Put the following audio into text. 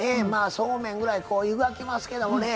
そうめんくらい湯がきますけどね